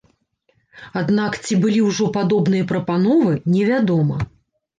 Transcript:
Аднак, ці былі ўжо падобныя прапановы, невядома.